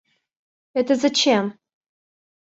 Это зачем?